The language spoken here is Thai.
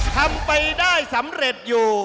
ทำไปได้สำเร็จอยู่